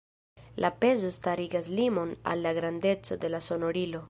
La pezo starigas limon al la grandeco de la sonorilo.